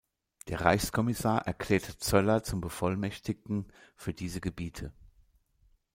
Der Reichskommissar erklärte Zöller zum Bevollmächtigten für diese Gebiete.